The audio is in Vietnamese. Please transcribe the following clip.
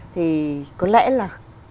thì có lẽ là